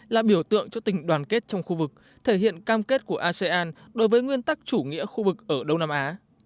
là biểu tượng cho tình đoàn kết trong khu vực thể hiện cam kết của asean đối với nguyên tắc chủ nghĩa khu vực ở đông nam á